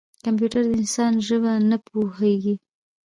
کمپیوټر د انسان ژبه نه پوهېږي.